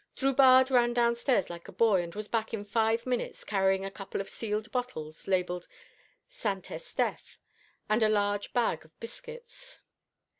Drubarde ran down stairs like a boy, and was back in five minutes, carrying a couple of sealed bottles, labelled St. Estèphe, and a large bag of biscuits.